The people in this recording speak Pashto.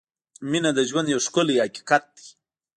• مینه د ژوند یو ښکلی حقیقت دی.